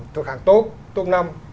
thực hàng top top năm